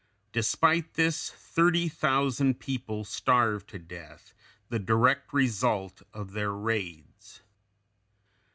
Despite this, thirty thousand people starved to death, the direct result of their raids.